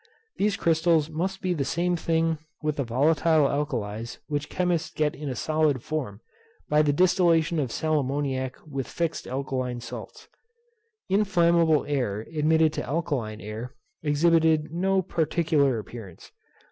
These crystals must be the same thing with the volatile alkalis which chemists get in a solid form, by the distillation of sal ammoniac with fixed alkaline salts. Inflammable air admitted to alkaline air exhibited no particular appearance.